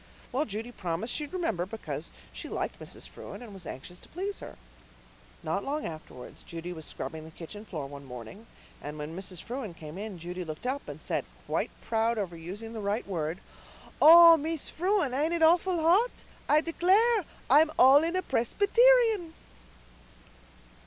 Well, Judy promised she'd remember, because she liked Mrs. Frewen and was anxious to please her. Not long afterwards Judy was scrubbing the kitchen floor one morning, and when Mrs. Frewen came in Judy looked up and said, quite proud over using the right word, 'Oh, Mees Frewen, ain't it awful hot? I declare I'm all in a Presbyterian.